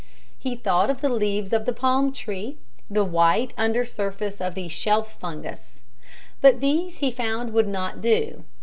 He thought of the leaves of the palm tree, the white under surface of the shelf fungus. But these he found would not do.